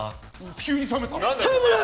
急に冷めたな。